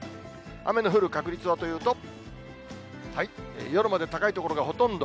雨の降る確率はというと、夜まで高い所がほとんど。